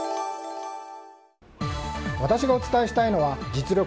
私がお伝えしたいのは実録？